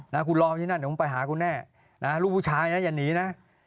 นะคุณรออยู่ที่นั่นเดี๋ยวผมไปหาคุณแน่นะลูกผู้ชายนะอย่าหนีนะ